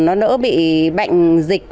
nó đỡ bị bệnh dịch